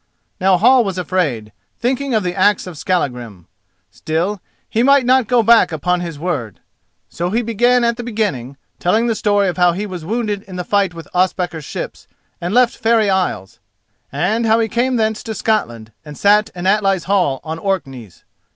Now Hall was afraid, thinking of the axe of Skallagrim. Still, he might not go back upon his word. So he began at the beginning, telling the story of how he was wounded in the fight with Ospakar's ships and left Farey isles, and how he came thence to Scotland and sat in Atli's hall on Orkneys.